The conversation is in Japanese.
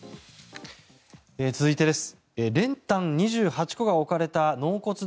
続いてです。